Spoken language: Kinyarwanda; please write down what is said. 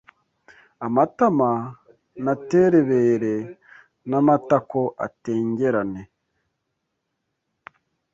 Amatama naterebere N’amatako atengerane